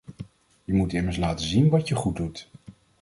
Je moet immers laten zien wat je goed doet.